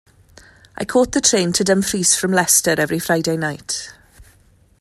I caught the train to Dumfries from Leicester every Friday night.